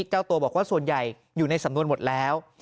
เจ้าตัวบอกว่าส่วนใหญ่อยู่ในสำนวนหมดแล้ว